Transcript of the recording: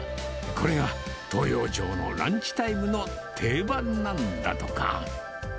これが東陽町のランチタイムの定番なんだとか。